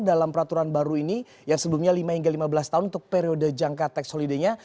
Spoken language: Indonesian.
dalam peraturan baru ini yang sebelumnya lima hingga lima belas tahun untuk periode jangka tax holiday nya